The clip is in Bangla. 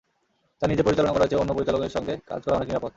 তাই নিজে পরিচালনা করার চেয়ে অন্য পরিচালকের সঙ্গে কাজ করা অনেক নিরাপদ।